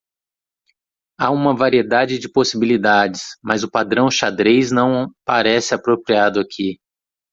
Há uma variedade de possibilidades, mas o padrão xadrez não parece apropriado aqui.